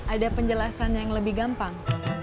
ada penjelasan yang lebih gampang